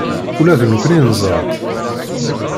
Ula d nekkni neẓra-tt.